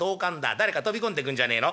誰か飛び込んでくんじゃねえの？」。